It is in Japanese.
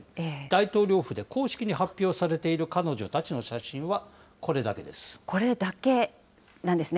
大統領府で公式に発表されている彼女たちの写真はこれだけです。